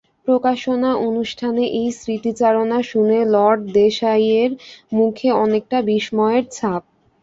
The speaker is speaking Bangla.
প্রকাশনা অনুষ্ঠানে এই স্মৃতিচারণা শুনে লর্ড দেশাইয়ের মুখে অনেকটা বিস্ময়ের ছাপ।